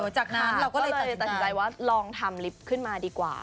จากนั้นเราก็เลยตัดสินใจว่าลองทำลิฟต์ขึ้นมาดีกว่า